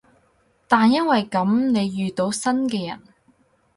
但因為噉，你遇到新嘅人